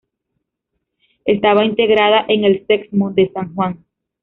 Estaba integrada en el Sexmo de San Juan.